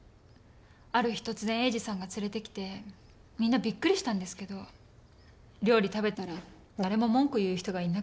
ある日突然栄治さんが連れてきてみんなびっくりしたんですけど料理食べたら誰も文句言う人がいなくて。